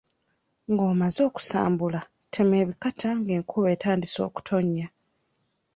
Ng'omaze okusambula tema ebikata ng'enkuba etandise okutonnya.